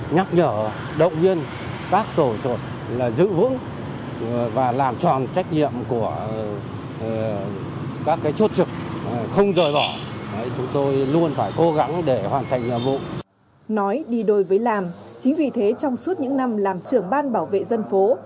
nói đi đôi với làm chính vì thế trong suốt những năm làm trưởng ban bảo vệ dân phố